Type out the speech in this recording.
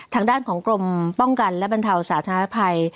ทางด้านของกรมป้องกันและบรรเทาสาธารณภัย